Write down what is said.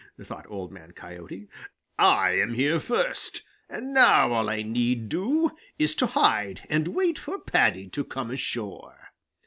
thought Old Man Coyote. "I am here first, and now all I need do is to hide and wait for Paddy to come ashore."